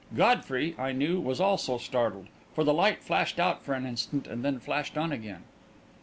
Godfrey, I knew, was also startled, for the light flashed out for an instant, and then flashed on again.